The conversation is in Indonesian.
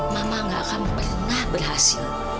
mama gak akan pernah berhasil